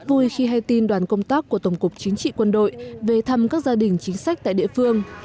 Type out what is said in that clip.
vui khi hay tin đoàn công tác của tổng cục chính trị quân đội về thăm các gia đình chính sách tại địa phương